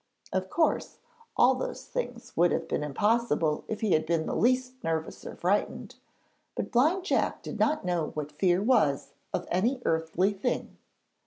Of course, all those things would have been impossible if he had been the least nervous or frightened, but Blind Jack did not know what fear was of any earthly thing.